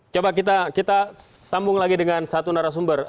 coba kita sambung lagi dengan satu narasumber